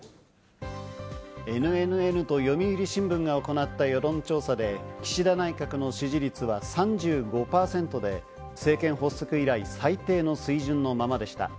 ＮＮＮと読売新聞が行った世論調査で、岸田内閣の支持率は３５％で、政権発足以来、最低の水準のままでした。